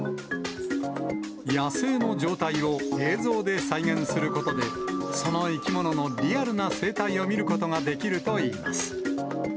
野生の状態を映像で再現することで、その生き物のリアルな生態を見ることができるといいます。